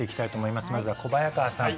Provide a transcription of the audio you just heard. まずは小早川さん。